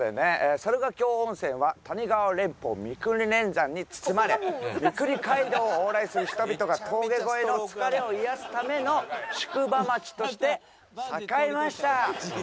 猿ヶ京温泉は谷川連峰三国連山に包まれ三国街道を往来する人々が峠越えの疲れを癒やすための宿場町として栄えました。